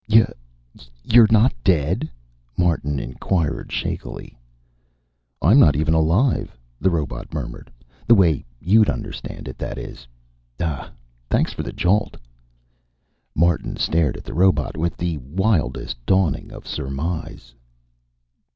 "Y you're not dead?" Martin inquired shakily. "I'm not even alive," the robot murmured. "The way you'd understand it, that is. Ah thanks for the jolt." Martin stared at the robot with the wildest dawning of surmise.